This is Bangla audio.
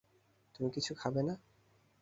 তুমি কিছু খাবে না?